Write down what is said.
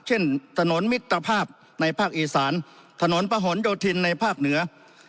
ถนนมิตรภาพในภาคอีสานถนนประหลโยธินในภาคเหนือ